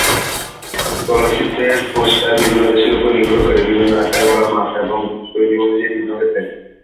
চলচ্চিত্রে পোস্টার বিভিন্ন দেশের উপর নির্ভর করে বিভিন্ন আকার বা মাপ এবং শৈলী অনুযায়ী ভিন্ন হয়ে থাকে।